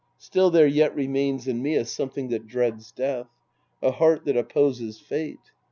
Still there yet remains in me a something that dreads death. A heart that opposes fate.